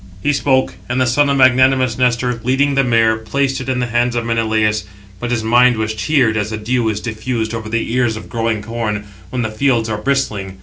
He spoke; and the son of magnanimous Nestor, leading the mare, placed it in the hands of Menelaus; but his 761 mind was cheered 762 as the dew [is diffused] over the ears of growing corn, when the fields are bristling.